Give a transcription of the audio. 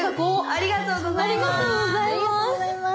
ありがとうございます！